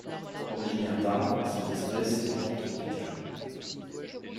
Originaire d'Inde, cette espèce est pantropicale.